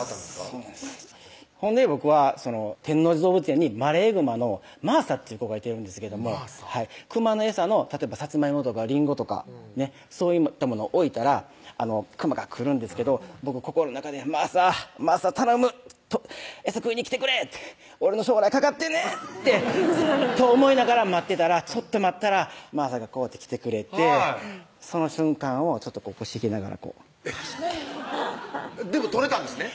そうなんですほんで僕は天王寺動物園にマレーグマのマーサっていう子がいてるんですけどもクマの餌の例えばさつまいもとかりんごとかそういったものを置いたらクマが来るんですけど僕心の中でマーサマーサ頼む餌食いに来てくれ！って俺の将来懸かってんねん！ってずっと思いながら待ってたらちょっと待ったらマーサがこうやって来てくれてその瞬間を腰引けながらこうパシャッてでも撮れたんですね？